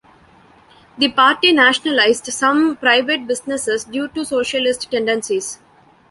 The party nationalized some private businesses due to socialist tendencies.